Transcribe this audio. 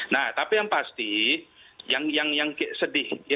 nah tapi yang pasti yang sedih